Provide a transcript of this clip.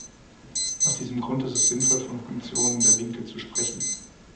Aus diesem Grund ist es sinnvoll, von Funktionen der Winkel zu sprechen.